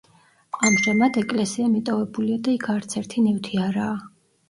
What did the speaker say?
ამჟამად ეკლესია მიტოვებულია და იქ არცერთი ნივთი არაა.